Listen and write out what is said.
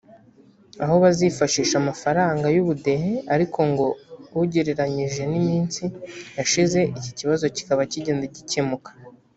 aho bazifashisha amafaranga y’ubudehe ariko ngo ugereranyije n’iminsi yashize iki kibazo kikaba kigenda gikemuka